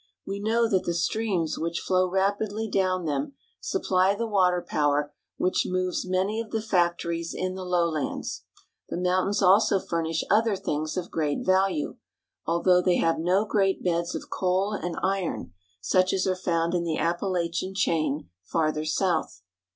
We know that the streams which flow rapidly down them supply the water power which moves many of the factories in the lowlands. The mountains also furnish other things of great value, although they have no great beds of coal and iron, such as are found in the Ap palachian chain farther south.